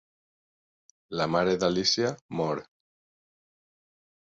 La mare d'Alícia mor.